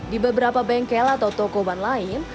di beberapa bengkel atau toko ban lain